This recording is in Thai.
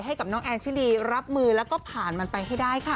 ให้กับน้องแอนชิลีรับมือแล้วก็ผ่านมันไปให้ได้ค่ะ